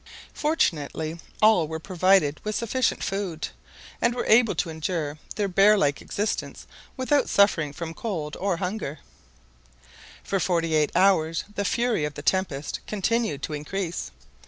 Fortunately, all were provided with sufficient food, and were able to endure their beaver like existence without suffering from cold or hunger For forty eight hours the fury of the tempest continued to increase.